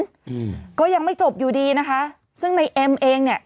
อืมก็ยังไม่จบอยู่ดีนะคะซึ่งในเอ็มเองเนี้ย